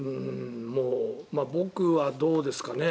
僕はどうですかね。